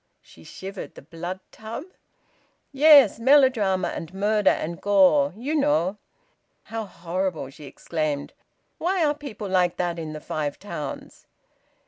She shivered. "The Blood Tub?" "Yes. Melodrama and murder and gore you know." "How horrible!" she exclaimed. "Why are people like that in the Five Towns?"